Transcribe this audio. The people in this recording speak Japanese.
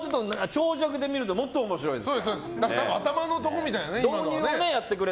長尺で見るともっと面白いです！